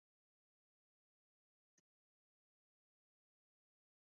kiongozi wa kijeshi Jenerali Abdel Fattah al Burhan